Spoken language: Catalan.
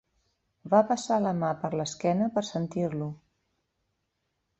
Va passar la mà per l'esquena per sentir-lo.